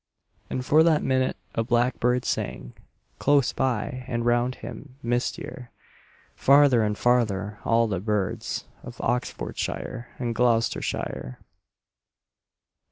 And for that minute a blackbird sang Close by, and round him, mistier, Farther and farther, all the birds Of Oxfordshire and Gloustershire.